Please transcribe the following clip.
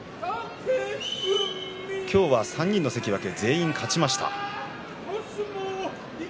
今日は３人の関脇全員勝ちました。